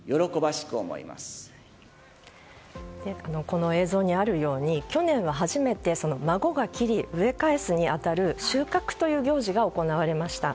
この映像にあるように去年は初めて孫が伐り植え返すに当たる収穫という行事が行われました。